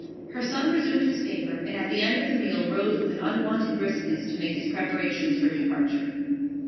Her son resumed his paper, and at the end of the meal rose with an unwonted briskness to make his preparations for departure.